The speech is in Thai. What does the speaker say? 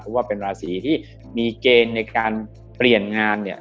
เพราะว่าเป็นราศีที่มีเกณฑ์ในการเปลี่ยนงานเนี่ย